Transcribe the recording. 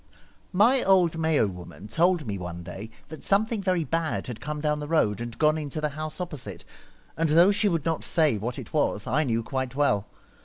My old Mayo woman told me one day that something very bad had come down the road and gone into the house opposite, and though she would not say what it was, I knew quite well.